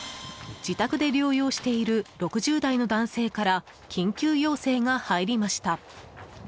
自宅で療養している６０代の男性から緊急要請が入りました。